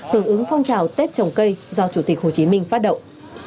hướng ứng phong trào tết trồng cây do chủ tịch hồ chí minh phát động